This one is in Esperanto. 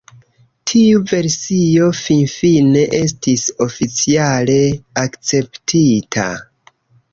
Tiu versio finfine estis oficiale akceptita.